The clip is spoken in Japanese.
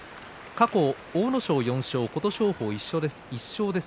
阿武咲４勝で琴勝峰が１勝です。